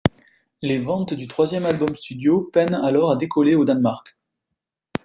Les ventes du troisième album studio peinent alors à décoller au Danemark.